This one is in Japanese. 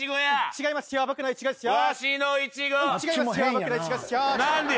違いますよ。